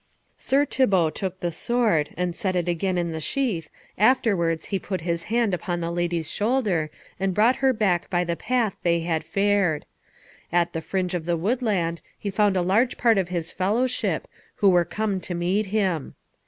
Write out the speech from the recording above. Sir Thibault took the sword, and set it again in the sheath, afterwards he put his hand upon the lady's shoulder, and brought her back by the path they had fared. At the fringe of the woodland he found a large part of his fellowship, who were come to meet him.